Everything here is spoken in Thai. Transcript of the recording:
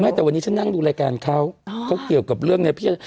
ไม่แต่วันนี้ฉันนั่งดูรายการเขาเขาเกี่ยวกับเรื่องพี่วะด่ะ